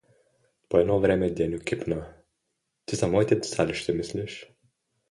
По едно време Деню кипна: — Ти за моите деца ли ще мислиш?